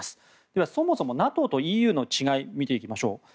では、そもそもＮＡＴＯとＥＵの違い見ていきましょう。